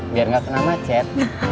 biar gak kena macet